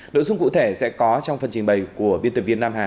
đội xuân cụ thể sẽ có trong phần trình bày của viên tập việt nam hà